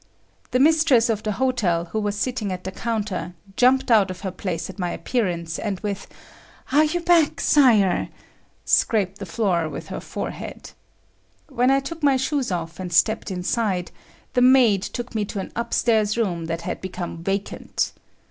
The mistress of the hotel who was sitting at the counter, jumped out of her place at my appearance and with "Are you back, Sire!" scraped the floor with her forehead. When I took my shoes off and stepped inside, the maid took me to an upstairs room that had became vacant.